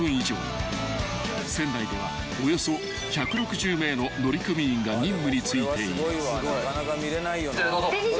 ［船内ではおよそ１６０名の乗組員が任務に就いている］